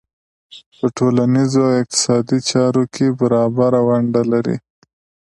په ټولنیزو او اقتصادي چارو کې برابره ونډه لري.